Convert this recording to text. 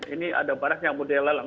ini ada barang yang mau dilelang